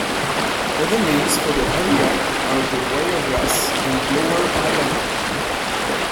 Other names for the area are The Wiregrass and Lower Alabama.